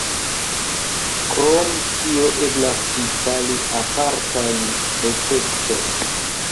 Krom tio eblas instali apartajn efektojn.